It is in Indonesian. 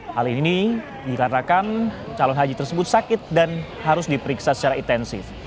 hal ini dikarenakan calon haji tersebut sakit dan harus diperiksa secara intensif